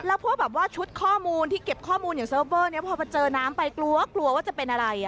แล้วพวกแบบว่าชุดข้อมูลที่เก็บข้อมูลอย่างเซิร์ฟเวอร์นี้พอมาเจอน้ำไปกลัวกลัวว่าจะเป็นอะไร